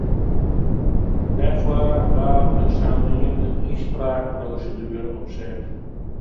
Dêrfoar waard in saneamde ynspraakproseduere opset.